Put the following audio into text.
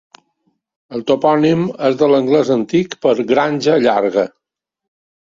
El topònim és de l'anglès antic per "granja llarga".